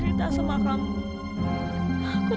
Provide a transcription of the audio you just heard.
nanti aku bisa selamatkan embainkannya